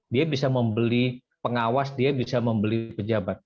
dia bisa membeli pengawas dia bisa membeli pejabat